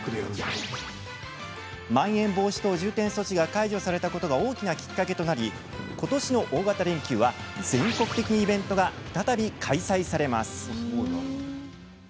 まん延防止等重点措置が解除されたことが大きなきっかけとなりことしの大型連休は、全国的にイベントが再び開催されます。